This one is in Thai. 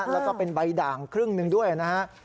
แล้วก็เป็นใบด่างครึ่งหนึ่งด้วยนะฮะ